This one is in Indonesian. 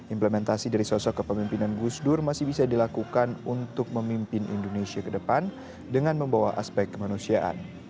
implementasi dari sosok kepemimpinan gus dur masih bisa dilakukan untuk memimpin indonesia ke depan dengan membawa aspek kemanusiaan